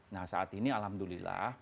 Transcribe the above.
nah saat ini alhamdulillah